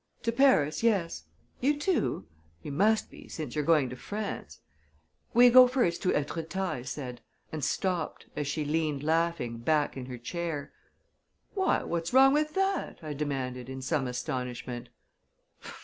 "To Paris yes. You too? You must be, since you're going to France." "We go first to Etretat," I said, and stopped, as she leaned, laughing, back in her chair. "Why, what's wrong with that?" I demanded, in some astonishment.